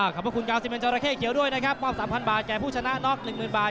ขอบคุณกาวซิเมนจอราเข้เขียวด้วยนะครับมอบ๓๐๐บาทแก่ผู้ชนะน็อก๑๐๐๐บาท